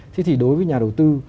thì đối với nhà đầu tư